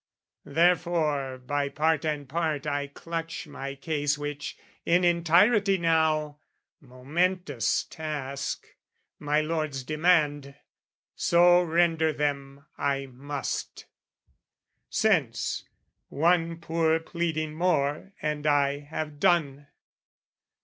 Therefore by part and part I clutch my case Which, in entirety now, momentous task, My lords demand, so render them I must, Since, one poor pleading more and I have done.